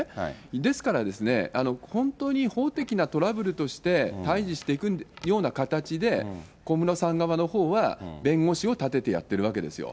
ですからですね、本当に法的なトラブルとして対じしていくような形で、小室さん側のほうは弁護士を立ててやってるわけですよ。